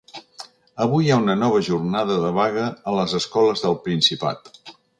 Avui hi ha una nova jornada de vaga a les escoles del Principat.